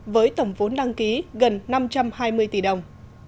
với tổng vốn đăng ký gần năm trăm hai mươi tỷ đồng